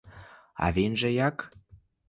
А він же як?